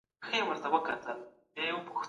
همدا لامل دی چي د سياست لوستنه ستونزمنه ده.